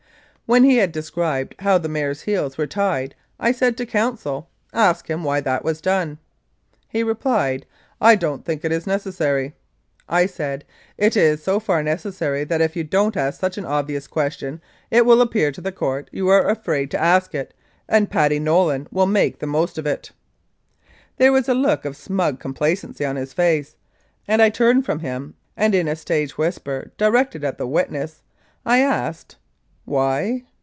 When he had described how the mare's heels were tied I said to counsel, "Ask him why that was done." He replied, "I don't think it is necessary." I said, "It is so far necessary that, if you don't ask such an obvious question it will appear to the Court that you are afraid to ask it and Paddy Nolan will make the most of it." There was a look of smug complacency on his face, and I turned from him and, in a stage whisper directed at the witness, I asked, "Why?"